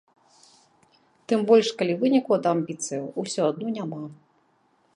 Тым больш калі выніку ад амбіцыяў усё адно няма.